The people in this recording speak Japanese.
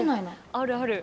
あるある！